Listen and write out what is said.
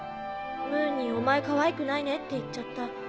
ムーンに「お前かわいくないね」って言っちゃった。